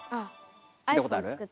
聞いたことある？